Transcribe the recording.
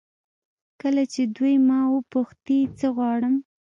کله چې دوی ما وپوښتي څه غواړم.